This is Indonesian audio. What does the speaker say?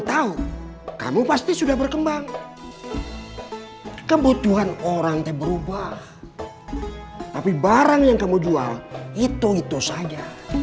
tahu kamu pasti sudah berkembang kebutuhan orang itu berubah tapi barang yang kamu jual itu itu saja